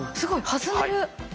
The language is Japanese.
弾んでる。